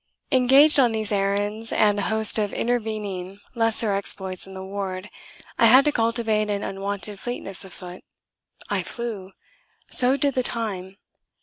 Engaged on these errands, and a host of intervening lesser exploits in the ward, I had to cultivate an unwonted fleetness of foot. I flew. So did the time.